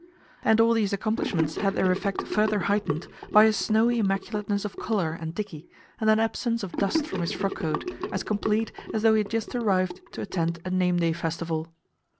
And all these accomplishments had their effect further heightened by a snowy immaculateness of collar and dickey, and an absence of dust from his frockcoat, as complete as though he had just arrived to attend a nameday festival.